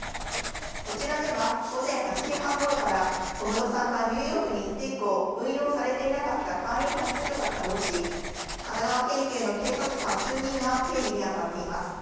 こちらでは午前８時半頃から小室さんがニューヨークに行って以降運用されていなかった簡易派出所が稼働し、神奈川県警の警察官、数人が警備に当たっています。